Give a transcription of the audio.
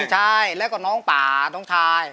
ใช่แล้วก็น้องป่าน้องชาย